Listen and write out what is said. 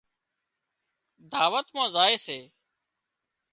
دعوت مان زائي سي